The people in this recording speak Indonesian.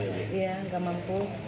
iya tidak mampu